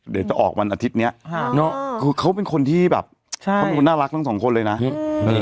เดี๋ยวจะออกวันอาทิตย์เนี้ยฮะเนอะคือเขาเป็นคนที่แบบใช่เขาเป็นคนน่ารักทั้งสองคนเลยนะอืมเออ